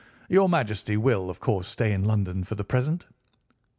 Your Majesty will, of course, stay in London for the present?"